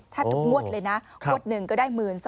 ถ้าถูกมวดเลยนะมวดหนึ่งก็ได้